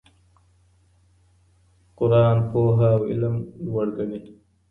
قرآن پوهه او علم لوړ ګڼي.